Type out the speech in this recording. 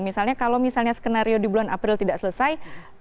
misalnya kalau misalnya skenario di bulan april tidak selesai